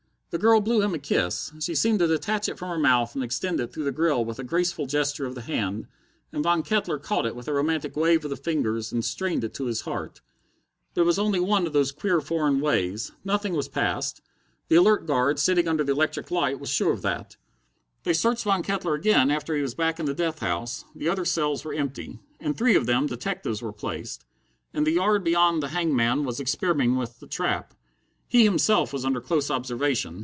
The girl blew him a kiss. She seemed to detach it from her mouth and extend it through the grill with a graceful gesture of the hand, and Von Kettler caught it with a romantic wave of the fingers and strained it to his heart. But it was only one of those queer foreign ways. Nothing was passed. The alert guard, sitting under the electric light, was sure of that. They searched Von Kettler again after he was back in the death house. The other cells were empty. In three of them detectives were placed. In the yard beyond the hangman was experimenting with the trap. He himself was under close observation.